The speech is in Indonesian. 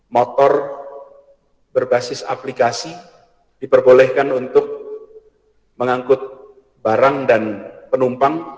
motor berbasis aplikasi diperbolehkan untuk mengangkut barang dan penumpang